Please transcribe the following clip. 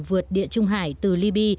vượt địa trung hải từ libby